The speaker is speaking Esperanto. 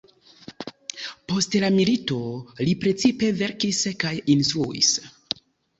Post la milito li precipe verkis kaj instruis.